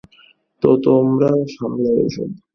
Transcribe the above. তো তোমরা সামলাও এসব।